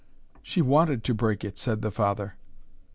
"She wanted to break it," said the father.